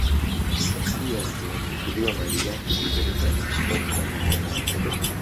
Pia zinachukuliwa malighafi kupelekwa nchi mbalimbali duniani